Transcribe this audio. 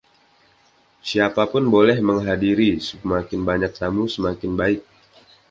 Siapa pun boleh menghadiri. Semakin banyak tamu, semakin baik.